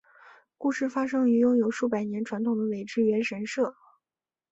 故事发生于拥有数百年传统的苇之原神社。